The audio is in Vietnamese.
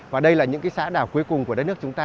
và đây là những cái xã đảo cuối cùng của đất nước chúng ta